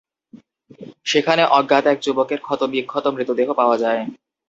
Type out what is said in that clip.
সেখানে অজ্ঞাত এক যুবকের ক্ষতবিক্ষত মৃতদেহ পাওয়া যায়।